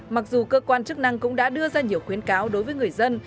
mặc dù cơ quan chức năng cũng đã đưa ra nhiều khuyến cáo đối với người dân